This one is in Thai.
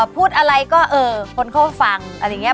พูดอะไรก็เออคนเขาฟังอะไรอย่างนี้